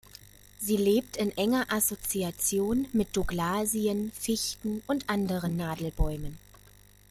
Sie lebt in enger Assoziation mit Douglasien, Fichten und anderen Nadelbäumen.